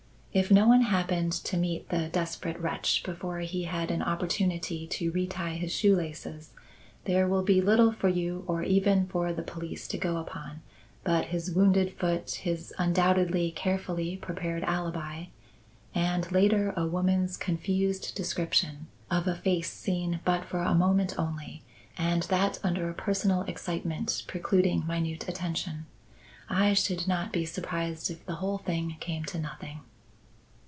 If no one happened to meet the desperate wretch before he had an opportunity to retie his shoe laces, there will be little for you or even for the police to go upon but his wounded foot, his undoubtedly carefully prepared alibi, and later, a woman's confused description of a face seen but for a moment only and that under a personal excitement precluding minute attention. I should not be surprised if the whole thing came to nothing."